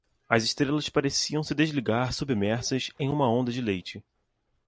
As estrelas pareciam se desligar submersas em uma onda de leite.